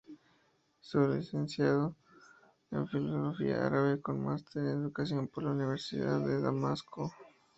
Se licenció en Filología árabe, con máster en educación por la Universidad de Damasco.